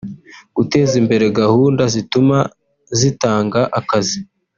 guteza imbere gahunda zituma zitanga akazi